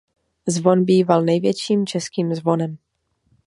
Zvon býval největším českým zvonem.